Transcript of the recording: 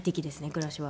暮らしは。